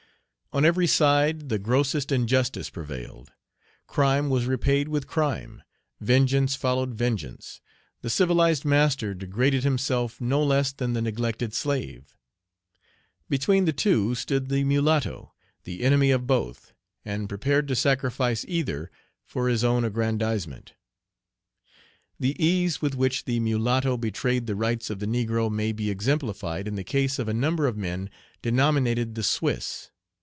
On every side the grossest injustice prevailed; crime was repaid with crime; vengeance followed vengeance; the civilized master degraded himself no less than the neglected slave; between the two stood the mulatto, the enemy of both, and prepared to sacrifice either for his own aggrandizement. The ease with which the mulatto betrayed the rights of the negro may be exemplified in the case of a number of men denominated the Swiss.